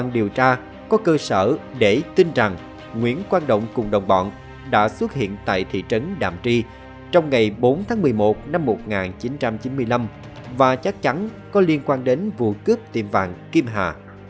điều tra có cơ sở để tin rằng nguyễn quang động cùng đồng bọn đã xuất hiện tại thị trấn đàm tri trong ngày bốn tháng một mươi một năm một nghìn chín trăm chín mươi năm và chắc chắn có liên quan đến vụ cướp tiệm vàng kim hà